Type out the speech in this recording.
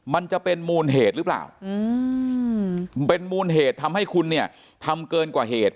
มันจะเป็นมูลเหตุหรือเปล่าเป็นมูลเหตุทำให้คุณเนี่ยทำเกินกว่าเหตุ